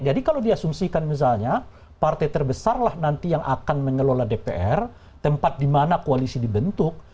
kalau diasumsikan misalnya partai terbesarlah nanti yang akan mengelola dpr tempat di mana koalisi dibentuk